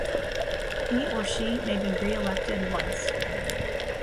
He or she may be reelected once.